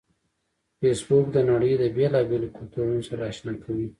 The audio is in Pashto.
فېسبوک د نړۍ د بیلابیلو کلتورونو سره آشنا کوي